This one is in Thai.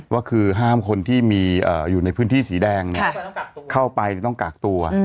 ก็คือห้ามคนที่มีอยู่ในพื้นที่สีแดงเข้าไปต้องกากตัว